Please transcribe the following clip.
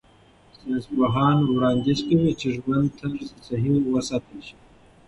ساینسپوهان وړاندیز کوي چې ژوند طرز صحي وساتل شي.